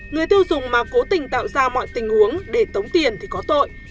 người tiêu dùng mà cố tình tạo ra mọi tình huống để tống tiền thì có tội